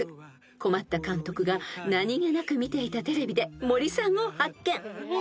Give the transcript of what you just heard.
［困った監督が何げなく見ていたテレビで森さんを発見］